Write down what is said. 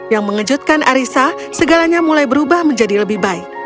yang mengejutkan arissa segalanya mulai berubah menjadi lebih baik